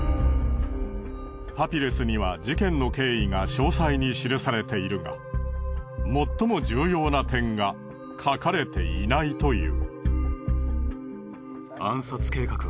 パピルスには事件の経緯が詳細に記されているが最も重要な点が書かれていないという。